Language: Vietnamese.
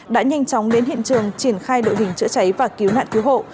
đã nhanh chóng đến hiện trường triển khai đội hình chữa cháy và cứu nạn cứu hộ